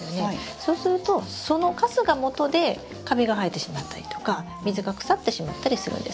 そうするとそのカスがもとでカビが生えてしまったりとか水が腐ってしまったりするんです。